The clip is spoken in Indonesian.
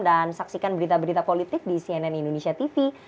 dan saksikan berita berita politik di cnn indonesia tv